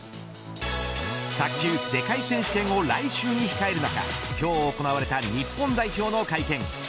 卓球世界選手権を来週に控える中今日行われた日本代表の会見。